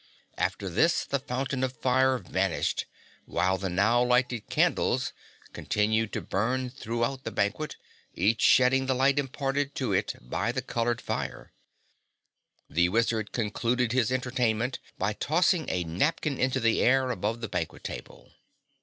After this the fountain of fire vanished while the now lighted candles continued to burn throughout the banquet, each shedding the light imparted to it by the colored fire. The Wizard concluded his entertainment by tossing a napkin into the air above the banquet table.